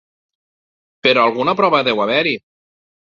Però alguna prova deu haver-hi.